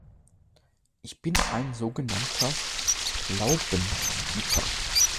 Ich bin ein so genannter Laubenpieper.